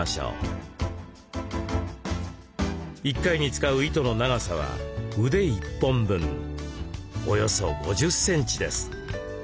１回に使う糸の長さは腕１本分およそ５０センチです。